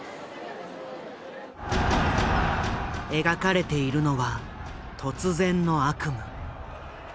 描かれているのは突然の悪夢。